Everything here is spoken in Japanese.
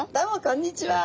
こんにちは。